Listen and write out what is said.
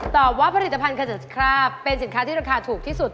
ตอบว่าผลิตภัณคาเจสคราบเป็นสินค้าที่ราคาถูกที่สุด